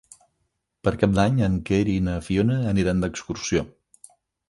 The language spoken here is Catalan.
Per Cap d'Any en Quer i na Fiona aniran d'excursió.